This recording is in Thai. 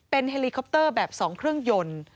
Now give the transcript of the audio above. เป็นเฮลีคอปเตอร์แบบสองเครื่องยนต์